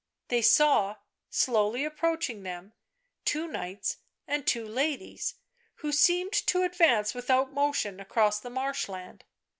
They saw, slowly approaching them, two knights and two ladies, who seemed to advance without motion across the marsh land.